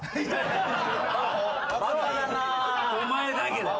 お前だけだ。